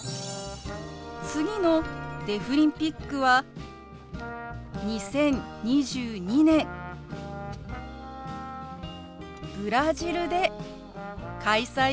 次のデフリンピックは２０２２年ブラジルで開催予定です。